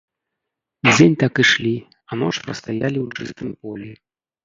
Дзень так ішлі, а ноч прастаялі ў чыстым полі.